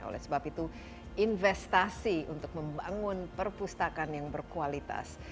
oleh sebab itu investasi untuk membangun perpustakaan yang berkualitas